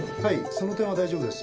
その点は大丈夫です。